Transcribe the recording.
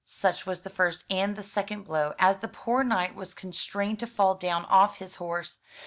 Such was the first and the second blow, as the poor knight was constrained to fall down off his horse.